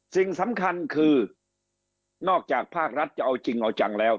สิ่งสำคัญคือนอกจากภาครัฐจะเอาจริงเอาจังแล้ว